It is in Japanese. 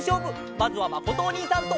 まずはまことおにいさんと。